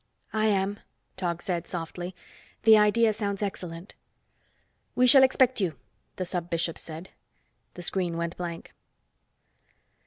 "I am," Tog said softly. "The idea sounds excellent." "We shall expect you," the Sub Bishop said. The screen went blank.